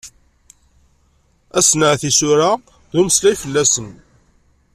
Asenɛet n yisura, d umeslay fell-asen.